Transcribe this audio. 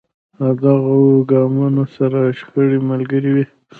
له دغو ګامونو سره شخړې ملګرې وې.